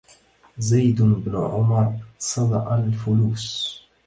زيد بن عمرو صدأ الفلوس